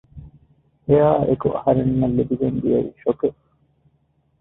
އެއާއެކު އަހަރެންނަށް ލިބިގެން ދިޔައީ ޝޮކެއް